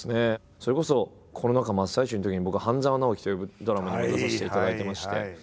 それこそコロナ禍真っ最中のときに僕「半沢直樹」というドラマにも出させていただいてまして。